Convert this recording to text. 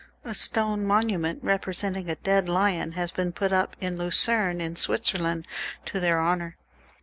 A stone monument, representing a dead lion, has been put up at Lucerne, in Switzerland, to their honour.